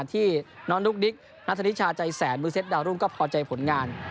ที่น้องดุ๊กดิ๊กนัทนิชาใจแสนมือเซ็ตดาวรุ่งก็พอใจผลงาน